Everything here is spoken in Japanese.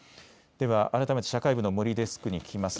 では改めて社会部の森デスクに聞きます。